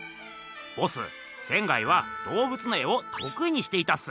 ボス仙は動物の絵をとくいにしていたっす。